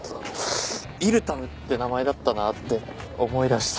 イルタムって名前だったなって思い出して。